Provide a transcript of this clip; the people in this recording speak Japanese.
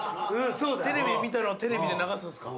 テレビで見たのをテレビで流すんすか。